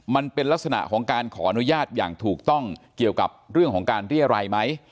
มันเป็นลักษณะของการขออนุญาตอย่างถูกต้องเกี่ยวกับเรื่องของการเรียรัยไหม